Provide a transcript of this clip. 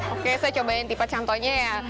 oke saya cobain tipat contohnya ya